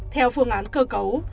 theo phương án cơ cấu